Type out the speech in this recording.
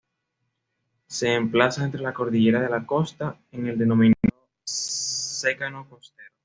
Se emplaza entre la Cordillera de la Costa, en el denominado secano costero.